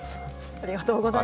ありがとうございます。